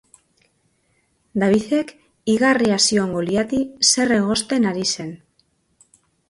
Davidek igarria zion Goliati zer egosten ari zen.